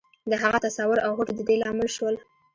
د هغه تصور او هوډ د دې لامل شول.